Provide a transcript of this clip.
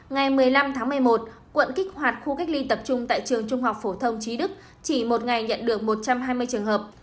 ngày một mươi năm tháng một mươi một quận kích hoạt khu cách ly tập trung tại trường trung học phổ thông trí đức chỉ một ngày nhận được một trăm hai mươi trường hợp